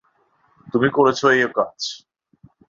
তুমি করেছ এই অকাজ।